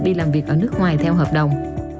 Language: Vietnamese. đi làm việc ở nước ngoài theo hợp đồng